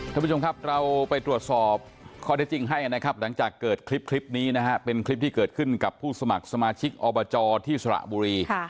ท่านผู้ชมครับเราไปตรวจสอบข้อได้จริงให้นะครับหลังจากเกิดคลิปนี้นะฮะเป็นคลิปที่เกิดขึ้นกับผู้สมัครสมาชิกอบจที่สระบุรี